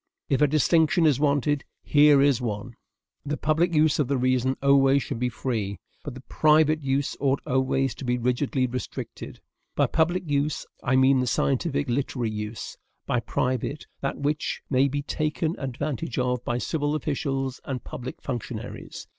"If a distinction is wanted, here is one: "The PUBLIC use of the reason always should be free, but the PRIVATE use ought always to be rigidly restricted. By public use, I mean the scientific, literary use; by private, that which may be taken advantage of by civil officials and public functionaries.